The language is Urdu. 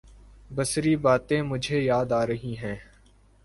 بسری باتیں مجھے یاد آ رہی ہیں۔